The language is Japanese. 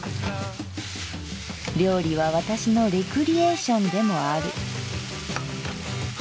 「料理は私のレクリエーションでもある」。